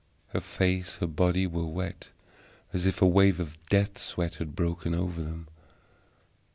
Her face, her body, were wet as if a wave of death sweat had broken over them.